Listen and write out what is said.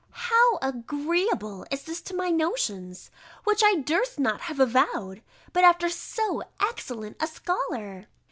How agreeable is this to my notions; which I durst not have avowed, but after so excellent a scholar!